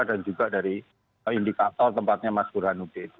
dan juga dari indikator tempatnya mas burhanuddin